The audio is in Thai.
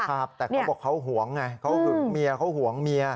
ครับแต่เขาบอกเขาห่วงไงเขาหึงเมียเขาห่วงเมีย